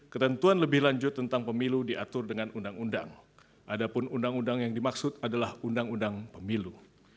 ketentuan lebih lanjut tentang pemilu diatur dengan undang undang adapun undang undang yang dimaksud adalah undang undang pemilu